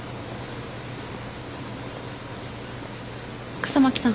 笠巻さん。